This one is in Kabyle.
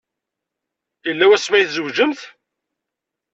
Yella wasmi ay tzewǧemt?